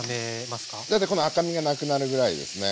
大体この赤みがなくなるぐらいですね。